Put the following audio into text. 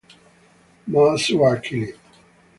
Most were killed.